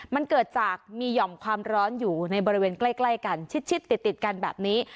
มันเกิดจากมีหย่อมความร้อนอยู่ในบริเวณใกล้กันชิดติดกันแบบนี้